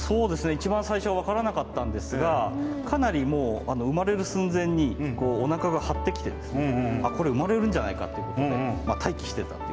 一番最初は分からなかったんですがかなりもう生まれる寸前におなかが張ってきてこれ生まれるんじゃないかということで待機してたと。